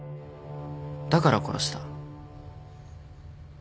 だから殺した。